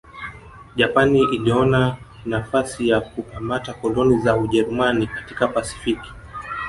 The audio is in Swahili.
Japani iliona nafasi ya kukamata koloni za Ujerumani katika Pasifiki